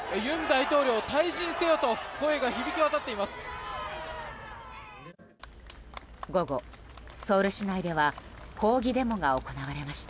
尹大統領退陣せよと声が響き渡っています。